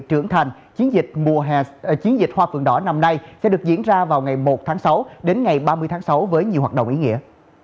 trưởng thành chiến dịch hoa phượng đỏ năm nay sẽ được diễn ra vào ngày một tháng sáu đến ngày ba mươi tháng sáu với nhiều hoạt động ý nghĩa